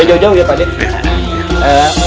jauh jauh ya pak deddy